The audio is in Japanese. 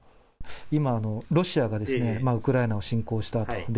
今、ロシアが、ウクライナを侵攻したと。